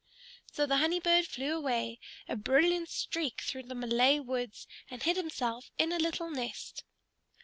So the Honey Bird flew away, a brilliant streak, through the Malay woods, and hid himself in a little nest.